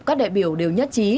các đại biểu đều nhất trí